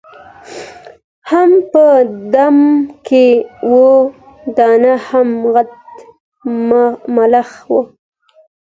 هم په دام کي وه دانه هم غټ ملخ و